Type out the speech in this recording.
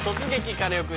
カネオくん」。